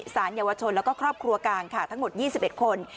สารเยาวชนแล้วก็ครอบครัวกลางค่ะทั้งหมด๒๑คน